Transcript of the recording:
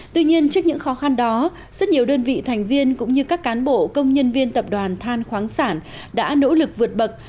tuy nhiên trước những khó khăn đó rất nhiều đơn vị thành viên cũng như các cán bộ công nhân viên tập đoàn than khoáng sản đã nỗ lực vượt bậc